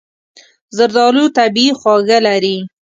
زردالو طبیعي خواږه لري.